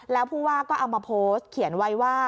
แล้วผู้ว่าก็เอามาโพสต์เขียนไว้ว่า